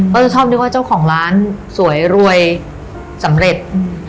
ก็จะชอบนึกว่าเจ้าของร้านสวยรวยสำเร็จ